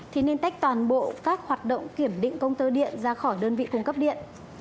thì nên tách toàn bộ các hoạt động kiểm định công tơ điện ra khỏi đơn vị cung cấp điện